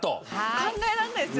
考えられないですよね